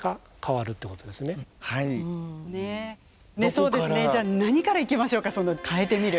そうですねじゃあ何からいきましょうかその変えてみる。